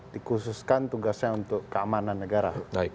dikhususkan tugasnya untuk keamanan negara